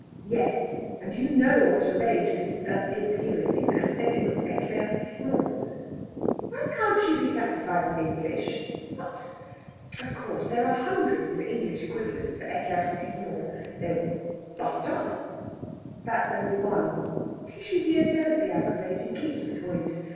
"Yes and you know what a rage Mrs. Erskine Peel is in, and says it was an éclaircissement." "Why can't she be satisfied with English?... What! Of course, there are hundreds of English equivalents for éclaircissement. There's bust up." "That's only one." "Tishy dear, don't be aggravating! Keep to the point.